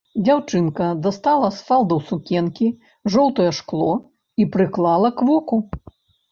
Дзяўчынка дастала з фалдаў сукенкі жоўтае шкло і прыклала к воку.